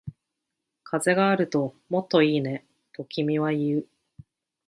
風があるともっといいね、と君は言う